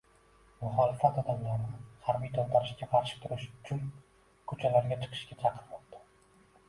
Muxolifat odamlarni harbiy to‘ntarishga qarshi turish uchun ko‘chalarga chiqishga chaqirmoqda